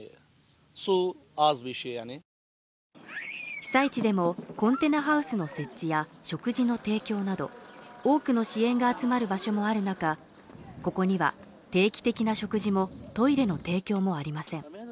被災地でも、コンテナハウスの設置や食事の提供など多くの支援が集まる場所もある中、ここには定期的な食事もトイレの提供もありません。